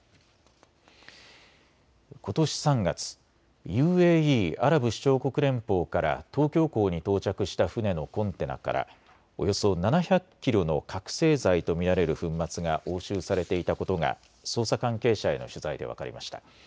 ことし３月、ＵＡＥ・アラブ首長国連邦から東京港に到着した船のコンテナからおよそ７００キロの覚醒剤と見られる粉末が押収されていたことが捜査関係者への取材で分かりました。